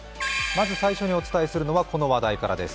まず最初にお伝えするのはこの話題からです。